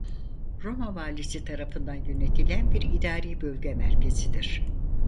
Roma valisi tarafından yönetilen bir idari bölge merkezidir.